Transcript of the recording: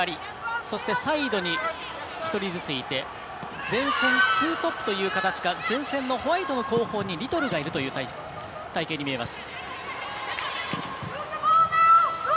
そして、サイドに１人ずついて前進２トップという形かホワイトの後方にリトルがいるという隊形に見えます。